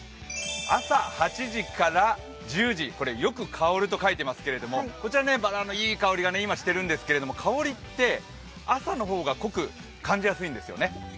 朝８時から１０時、これ、よく香ると書いてますけれども、こちらバラのいい香りがしているんですけれども、香りって朝の方が濃く感じやすいんですよね。